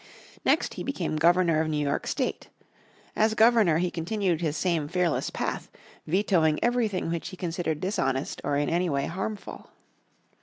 Next he became Governor of New York State. As Governor he continued his same fearless path, vetoing everything which he considered dishonest or in any way harmful.